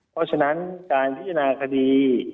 เพราะฉะนั้นการพิจารณาคดี